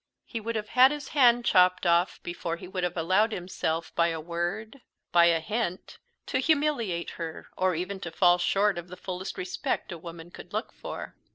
He would have had his hand chopped off before he would have allowed himself by a word, by a hint, to humiliate her, or even to fall short of the fullest respect a woman could look for.